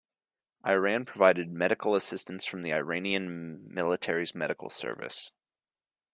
Iran provided medical assistance from the Iranian military's medical service.